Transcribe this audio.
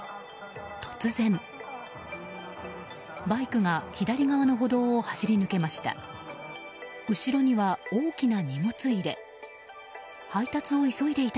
突然、バイクが左側の歩道を走り抜けました。